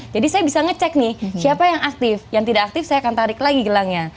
jadi saya bisa ngecek nih siapa yang aktif yang tidak aktif saya akan tarik lagi gelangnya